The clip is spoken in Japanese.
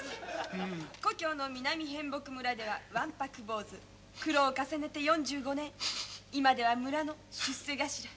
「故郷の南へんぼく村ではわんぱく坊主苦労重ねて４５年今では村の出世頭。